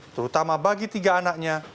terutama bagi tiga anaknya